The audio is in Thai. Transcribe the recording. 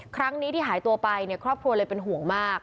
ครั้งนี้ที่หายตัวไปครอบครัวเลยเป็นห่วงมาก